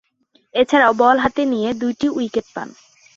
এছাড়াও, বল হাতে নিয়ে দুইটি উইকেট পান।